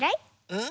うん？